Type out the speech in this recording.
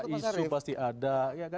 isu pasti ada